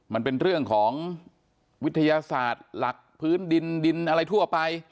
มันเป็นเรื่องของวิทยาศาสตร์หลักพื้นดินดินอะไรทั่วไป